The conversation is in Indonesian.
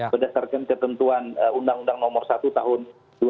berdasarkan ketentuan undang undang nomor satu tahun dua ribu dua puluh satu